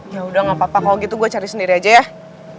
yaudah gapapa kalo gitu gue cari sendiri aja ya